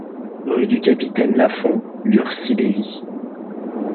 Rue du Capitaine Lafond, Lurcy-Lévis